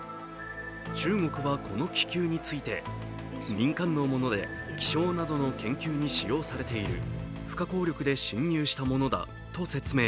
中国はこの気球について、民間のもので気象などの研究に使用されている、不可抗力で侵入したものだと説明。